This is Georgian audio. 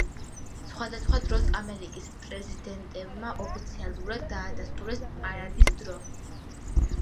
სხვადასხვა დროს ამერიკის პრეზიდენტებმა ოფიციალურად დაადასტურეს პარადის დრო.